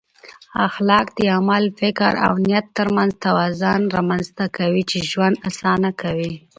اخلاق د عمل، فکر او نیت ترمنځ توازن رامنځته کوي چې ژوند اسانه کوي.